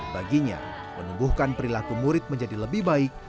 baginya menumbuhkan perilaku murid menjadi lebih baik